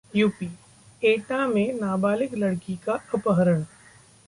UP Etah में नाबालिग लड़की का अपहरण